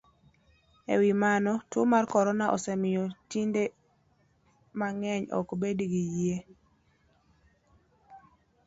E wi mano, tuo mar corona osemiyo dinde mang'eny ok bed gi yie,